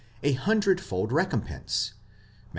a hundredfold recompense (Matt.